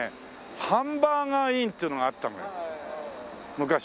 ハンバーガーインっていうのがあったのよ昔。